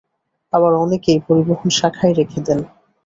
আবার অনেকেই পরিবহন শাখায় রেখে দেন।